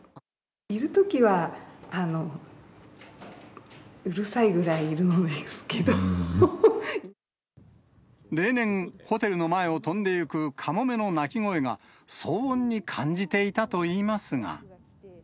いるときは、例年、ホテルの前を飛んでいくカモメの鳴き声が騒音に感じていたといいますが。